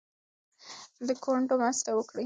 د کونډو مرسته وکړئ.